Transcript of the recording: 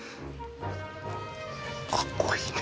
かっこいいね。